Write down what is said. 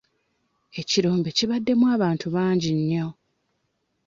Ekirombe kibaddemu abantu bangi nnyo.